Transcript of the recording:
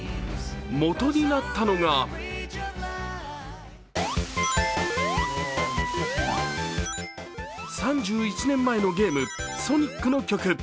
元になったのが３１年前のゲーム「ソニック」の曲。